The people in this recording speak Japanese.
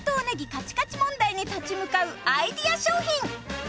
カチカチ問題に立ち向かうアイデア商品